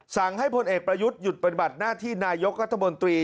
สั่งให้พลเอกประยุทธ์หยุดปฏิบัติหน้าที่นายกรัฐมนตรี